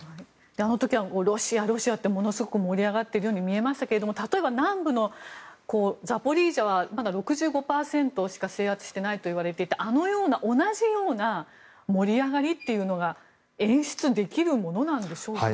あの時はロシア、ロシアって盛り上がっているように見えましたけれども例えば南部のザポリージャはまだ６５％しか制圧していないといわれていて同じような盛り上がりというのは演出できるものなんでしょうか。